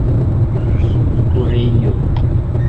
Sud Koreio